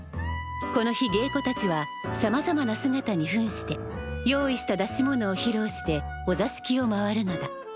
この日芸妓たちはさまざまな姿にふんして用意した出し物をひろうしてお座敷を回るのだ。